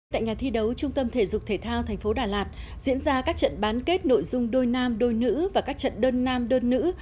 tại nhà thi đấu trung tâm thể dục thể thao tp đà lạt diễn ra các trận bán kết nội dung đôi nam đôi nữ và các trận đơn nam đơn nữ